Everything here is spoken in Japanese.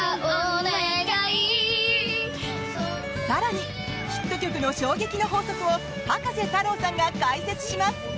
更にヒット曲の衝撃の法則を葉加瀬太郎さんが解説します。